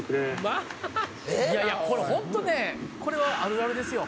いやいやこれホントねこれはあるあるですよ。